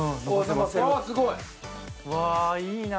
うわいいな。